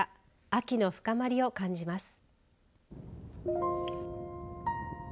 秋の深まりを感じます。